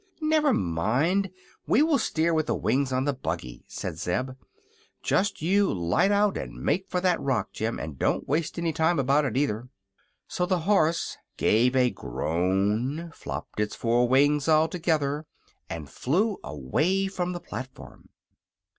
"Never mind; we will steer with the wings on the buggy," said Zeb. "Just you light out and make for that rock, Jim; and don't waste any time about it, either." So the horse gave a groan, flopped its four wings all together, and flew away from the platform.